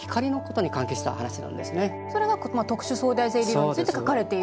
それが特殊相対性理論について書かれていると。